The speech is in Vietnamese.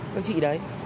các chị đấy